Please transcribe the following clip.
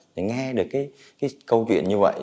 để nghe được câu chuyện như vậy